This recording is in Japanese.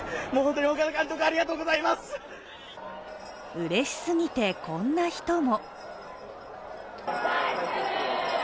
うれしすぎて、こんな人も。